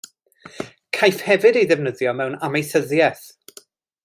Caiff hefyd ei ddefnyddio mewn amaethyddiaeth.